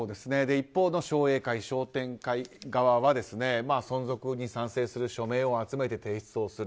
一方の商店街側、商栄会側は存続に賛成する署名を集めて提出する。